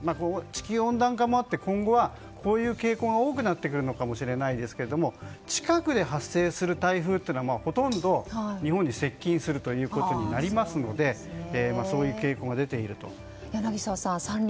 地球温暖化もあって今後はこういう傾向が多くなってくるかもしれませんが近くで発生する台風は、ほとんど日本に接近することになりますのでそういう傾向が出ていると。